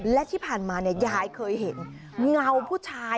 และที่ผ่านมายายเคยเห็นเงาผู้ชาย